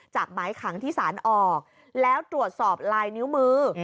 หมายขังที่สารออกแล้วตรวจสอบลายนิ้วมือ